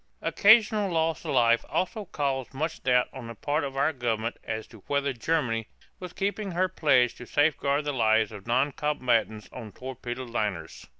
Occasional loss of life also caused much doubt on the part of our government as to whether Germany was keeping her pledge to safeguard the lives of noncombatants on torpedoed liners.